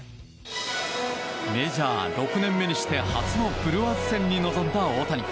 メジャー６年目にして初のブルワーズ戦に臨んだ大谷。